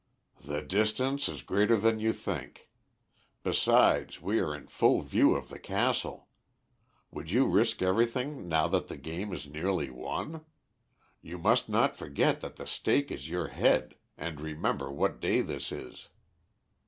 "The distance is greater than you think; besides, we are in full view of the castle. Would you risk everything now that the game is nearly won? You must not forget that the stake is your head; and remember what day this is."